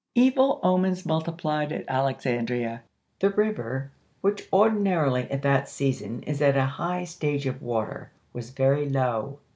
Evil omens multiplied at Alexandria. The river, which ordinarily at that season is at a high stage of water, was very low.